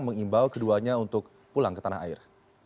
mengimbau keduanya untuk pulang ke tanah air